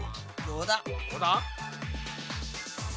どうだ？